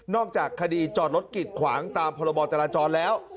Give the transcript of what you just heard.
นอกจากคดีจอดรถกิจขวางตามประบอตราจรแล้ว